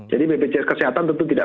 jadi bpjs kesehatan tentu tidak